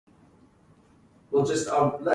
Ltd based in Bangalore.